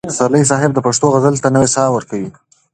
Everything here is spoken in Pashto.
پسرلي صاحب د پښتو غزل ته نوې ساه ورکړه.